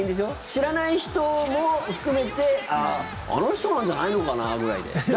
知らない人も含めてあの人なんじゃないのかな？ぐらいで。